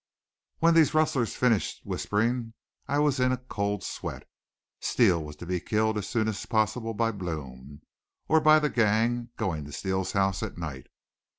When these rustlers finished whispering I was in a cold sweat. Steele was to be killed as soon as possible by Blome, or by the gang going to Steele's house at night.